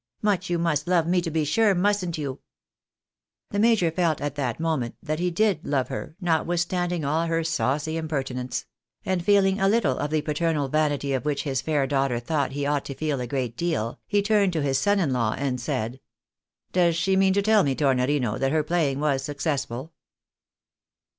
Much you must love me to be sure, mustn't you ?" The major felt at that moment that he did love her, notwith standing all her saucy impertinence ; and, feeling a little of the paternal vanity of which his fair daughter thought he ought to feel a great deal, he turned to his son in law, and said —" Does she mean to tell me, Tornorino, that her playing was successful